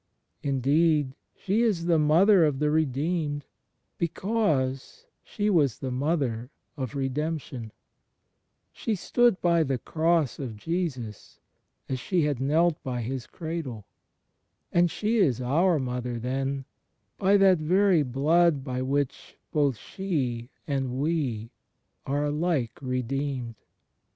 Indeed she is the Mother of the redeemed, because she was the Mother of Redemption: she stood by the Cross of Jesus, as she had knelt by His cradle; and she is our Mother, then, by that very blood by which both she and we are alike redeemed.